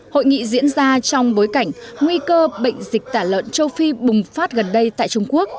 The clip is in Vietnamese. hội nghị diễn ra trong bối cảnh nguy cơ bệnh dịch tả lợn châu phi bùng phát gần đây tại trung quốc